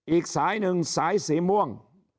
อีกสายหนึ่งสายสีม่วง